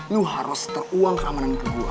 lu harus teruang keamanan ke gua